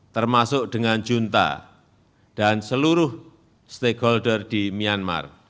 termasuk dengan junta dan seluruh stakeholder di myanmar